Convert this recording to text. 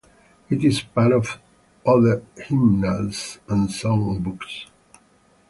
It is part of other hymnals and songbooks.